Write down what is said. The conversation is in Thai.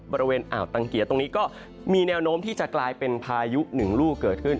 บริเวณอ่าวตังเกียร์ตรงนี้ก็มีแนวโน้มที่จะกลายเป็นพายุหนึ่งลูกเกิดขึ้น